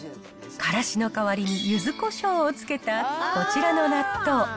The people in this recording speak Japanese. からしの代わりにゆずこしょうをつけたこちらの納豆。